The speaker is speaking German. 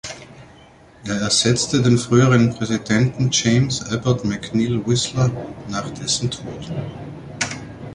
Er ersetzte den früheren Präsidenten James Abbott McNeill Whistler nach dessen Tod.